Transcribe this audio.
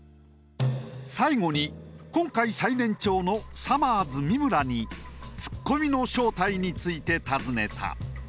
最後に今回最年長のさまぁず三村にツッコミの正体について尋ねた。